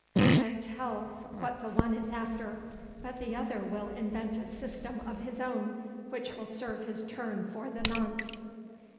You can tell what the one is after, but the other will invent a system of his own which will serve his turn for the nonce.